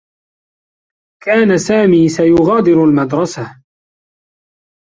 كان سامي سيغادر المدرسة.